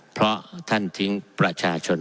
เพราะท่านทิ้งประชาชน